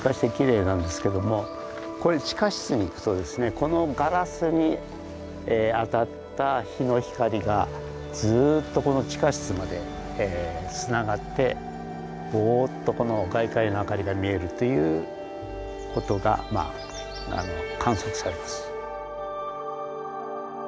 このガラスに当たった日の光がずっとこの地下室までつながってぼうっとこの外界の明かりが見えるということがまあ観測されます。